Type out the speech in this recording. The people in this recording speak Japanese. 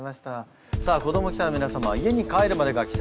さあ子ども記者の皆様は家に帰るまでが記者会見です。